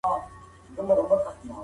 پښتون د نوي عصر له ننګونو سره مخ دی.